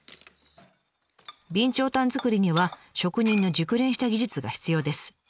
備長炭作りには職人の熟練した技術が必要です。